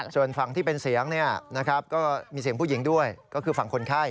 ส่วนฝั่งที่เป็นเสียงก็มีเสียงผู้หญิงด้วยก็คือฝั่งคนไข้